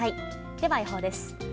では、予報です。